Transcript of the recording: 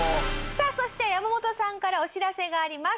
さあそして山本さんからお知らせがあります。